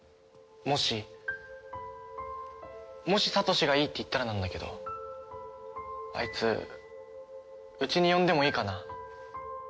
もしもしサトシがいいって言ったらなんだけどあいつうちに呼んでもいいかな？